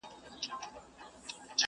سم په لاره کی اغزی د ستوني ستن سي.!